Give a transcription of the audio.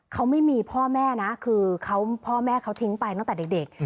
เขาไม่มีพ่อแม่นะคือพ่อแม่เขาทิ้งไปตั้งแต่เด็ก